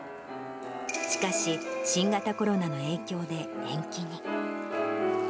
しかし、新型コロナの影響で延期に。